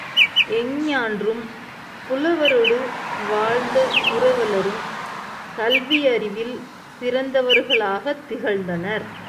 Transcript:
எஞ்ஞான்றும் புலவரொடு வாழ்ந்த புரவலரும் கல்வியறிவில் சிறந்தவர்களாகத் திகழ்ந்தனர்.